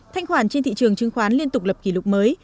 thanh khoản trên thị trường chứng khoán liên tục lập kỷ lục mới